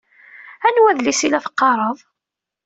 Anwa adlis i la teqqaṛeḍ?